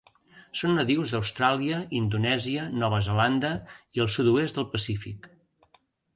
Són nadius d'Austràlia, Indonèsia, Nova Zelanda i el sud-oest del Pacífic.